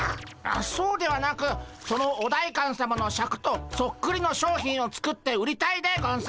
そうではなくそのお代官さまのシャクとそっくりの商品を作って売りたいでゴンス。